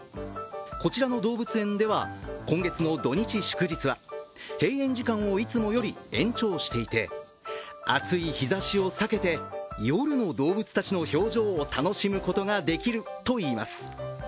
こちらの動物園では、今月の土日祝日は閉園時間をいつもより延長していて暑い日ざしを避けて夜の動物たちの表情を楽しむことができるといいます。